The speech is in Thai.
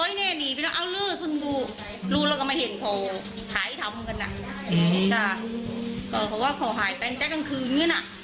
เพราะว่าพอหายแปลกจากกลางคืนเหมือนกัน